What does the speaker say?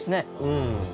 うん。